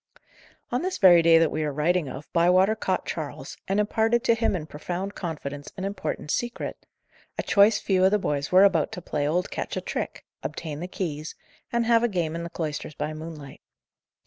On this very day that we are writing of, Bywater caught Charles, and imparted to him in profound confidence an important secret; a choice few of the boys were about to play old Ketch a trick, obtain the keys, and have a game in the cloisters by moonlight.